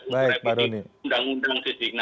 untuk revisi undang undang sidik